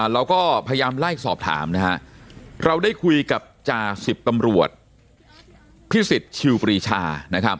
เราก็พยายามไล่สอบถามนะฮะเราได้คุยกับจ่าสิบตำรวจพิสิทธิ์ชิวปรีชานะครับ